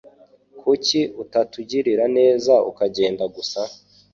Kuki utatugirira neza ukagenda gusa?